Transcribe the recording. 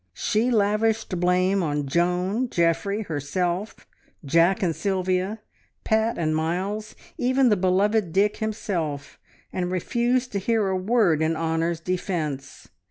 She lavished blame on Joan, Geoffrey, herself, Jack and Sylvia, Pat and Miles, even the beloved Dick himself, and refused to hear a word in Honor's defence.